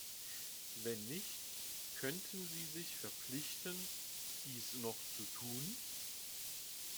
Wenn nicht, könnten Sie sich verpflichten, dies noch zu tun?